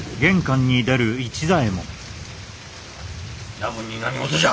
夜分に何事じゃ！